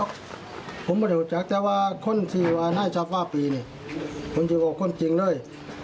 เขาเห็นรถนะเพราะว่าเอามาแก่คนเจ้าขายให้เขา